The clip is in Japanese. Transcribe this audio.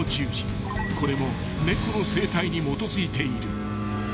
［これも猫の生態に基づいている］